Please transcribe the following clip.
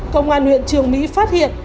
công an huyện trường mỹ phát hiện